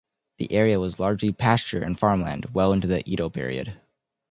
The area was largely pasture and farmland well into the Edo period.